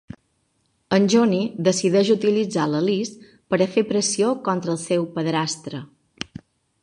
En Johnny decideix utilitzar la Liz per a fer pressió contra el seu padrastre.